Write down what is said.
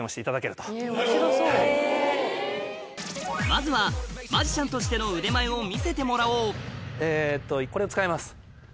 まずはマジシャンとしての腕前を見せてもらおうこれを使いますはい。